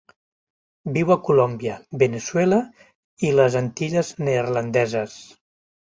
Viu a Colòmbia, Veneçuela i les Antilles Neerlandeses.